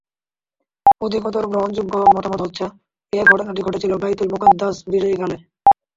অধিকতর গ্রহণযোগ্য মতামত হচ্ছে—এ ঘটনাটি ঘটেছিল বায়তুল মুকাদ্দাস বিজয়কালে।